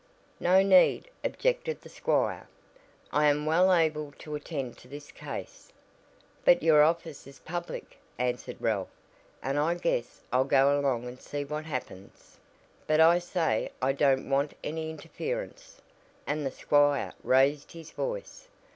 "No need," objected the squire, "I am well able to attend to this case." "But your office is public," answered Ralph, "and I guess I'll go along and see what happens." "But I say I don't want any interference," and the squire raised his voice.